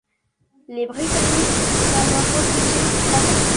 Les Britanniques ont alors repoussé l'attaque.